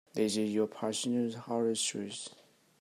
This is your personal hotel suite.